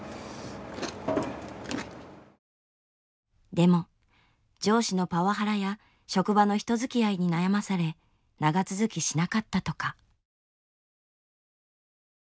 でも上司のパワハラや職場の人づきあいに悩まされ長続きしなかったとか。